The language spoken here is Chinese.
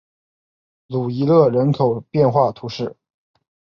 鲁伊勒人口变化图示